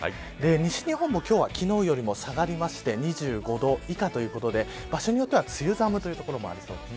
西日本も今日は、昨日より下がって２５度以下ということで場所によっては梅雨寒という所もありそうです。